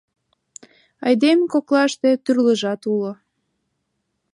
Айдеме коклаште тӱрлыжат уло.